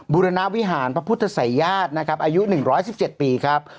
บุรณาวิหารพระพุทธศัยยาตรอายุ๑๑๗ปีครับ